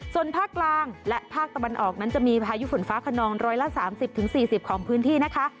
ส่วนภาคกลางและภาคตะวันออกนั้นจะมีพายุฝนฟ้าขนองร้อยละ๓๐๔๐ของพื้นที่นะคะ